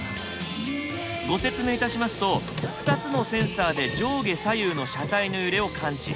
ご説明いたしますと２つのセンサーで上下左右の車体の揺れを感知。